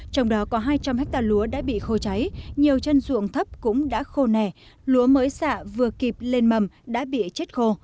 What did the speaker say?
trong đó có hai trăm linh hectare lúa đã bị khô cháy nhiều chân ruộng thấp cũng đã khô nẻ lúa mới xạ vừa kịp lên mầm đã bị chết khô